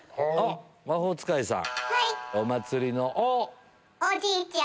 魔法使いさん。